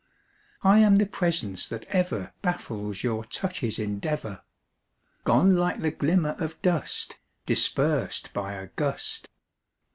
I am the presence that ever Baffles your touch's endeavor, Gone like the glimmer of dust Dispersed by a gust.